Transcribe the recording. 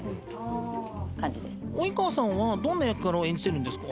及川さんはどんな役柄を演じてるんですか？